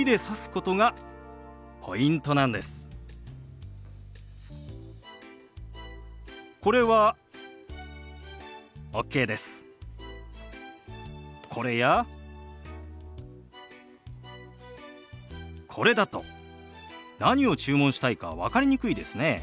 これだと何を注文したいか分かりにくいですね。